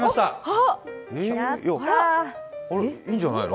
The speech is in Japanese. いいんじゃないの？